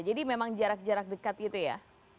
jadi memang jarak jarak dekat gitu ya